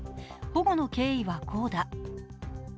保護の経緯はこうだ。